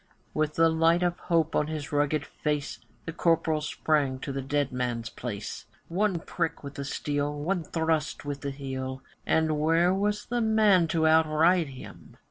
With the light of hope on his rugged face, The Corporal sprang to the dead man's place, One prick with the steel, one thrust with the heel, And where was the man to outride him?